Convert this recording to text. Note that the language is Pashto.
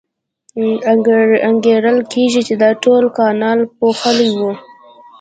انګېرل کېږي چې دا ټول کانال پوښلی و.